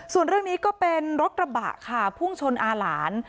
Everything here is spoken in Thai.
ส่วนเรื่องนี้ก็เป็นรถกระบะค่ะพุ่งชนอาหลาน